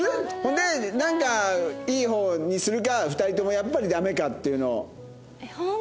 でなんかいい方にするか２人ともやっぱりダメかっていうのを。